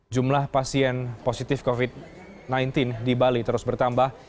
jumlah pasien positif covid sembilan belas di bali terus bertambah